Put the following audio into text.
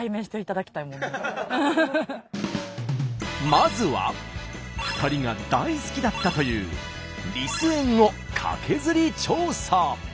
まずは２人が大好きだったというリス園をカケズリ調査。